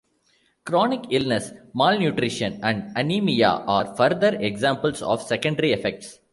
Chronic illness, malnutrition, and anemia are further examples of secondary effects.